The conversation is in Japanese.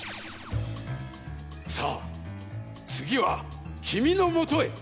さあつぎはきみのもとへ！